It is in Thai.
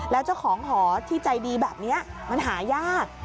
แล้วเจ้าของหอที่ใจดีแบบนี้มันหายาก